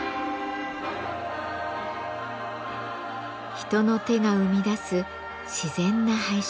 人の手が生み出す自然な配色。